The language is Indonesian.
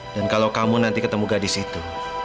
dan kalau kamu nanti ketemu gadis itu